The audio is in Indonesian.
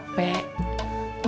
grup wa maksudnya